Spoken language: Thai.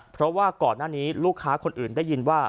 เพราะว่าก่อนหน้านี้ลูกค้าคนอื่นได้ยินว่า